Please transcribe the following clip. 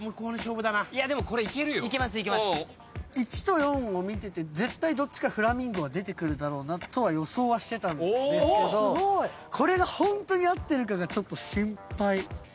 １と４を見てて絶対どっちかフラミンゴは出てくるだろうなとは予想はしてたんですけどこれがホントに合ってるかがちょっと心配。